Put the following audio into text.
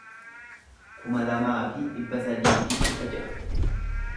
kuma lamaa fi dhibba sadii fi kudha ja'a